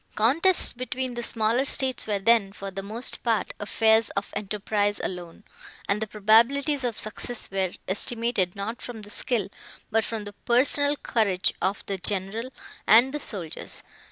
Contests between the smaller states were then, for the most part, affairs of enterprise alone, and the probabilities of success were estimated, not from the skill, but from the personal courage of the general, and the soldiers.